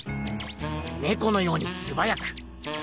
ねこのようにすばやく。